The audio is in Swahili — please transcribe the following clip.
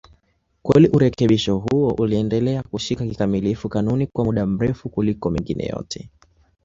Kweli urekebisho huo uliendelea kushika kikamilifu kanuni kwa muda mrefu kuliko mengine yote.